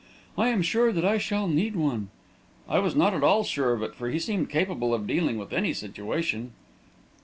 I am sure that I shall need one." I was not at all sure of it, for he seemed capable of dealing with any situation.